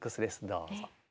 どうぞ。